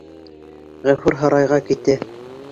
Ғәфүр һарайға китә.